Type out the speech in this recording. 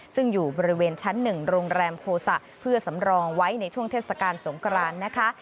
ซึ่งอยู่บริเวณชั้น๑โรงแรมโภสะเพื่อสำรองไว้ในช่วงเทศกาลสงครานนะคะ